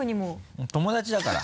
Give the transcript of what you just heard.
うん友達だから。